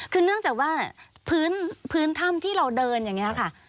คือเนื่องจากว่าพื้นถ้ำที่เราเดินอย่างนี้ค่ะ